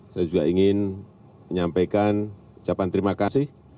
saya juga ingin menyampaikan ucapan terima kasih